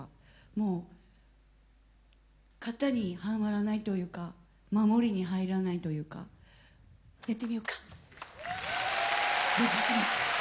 もう型にはまらないというか守りに入らないというかやってみようか。